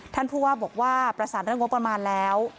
ท่านผู้ว่าบอกว่าประสานเรื่องงบประมาณแล้ว